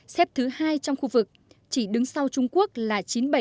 xếp thứ hai trong khu vực chỉ đứng sau trung quốc là chín mươi bảy